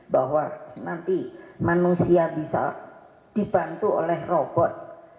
bahwa nanti manusia bisa dibantu oleh robot